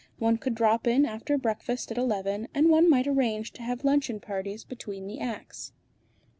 One could drop in after breakfast at eleven, and one might arrange to have luncheon parties between the acts."